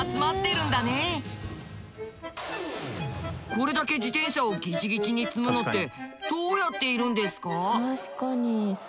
これだけ自転車をギチギチに積むのってどうやっているんですか？